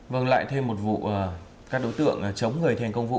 vâng lại thêm một vụ các đối tượng chống người thành công vụ